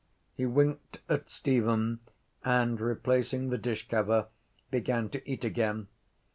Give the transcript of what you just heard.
He winked at Stephen and, replacing the dishcover, began to eat again.